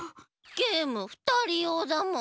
ゲームふたりようだもん。